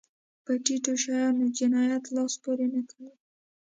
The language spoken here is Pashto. په ټيټو شیانو جنایت لاس پورې نه کوي.